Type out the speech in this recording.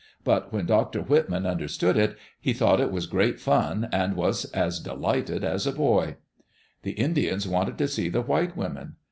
But when Dr. Whitman understood it, he thought it was great fun and was as delighted as a boy. The Indians wanted to see the white women.